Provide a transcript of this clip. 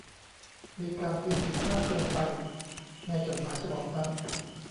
มีการพิมพ์ผิดมากเกินไปในจดหมายฉบับนั้น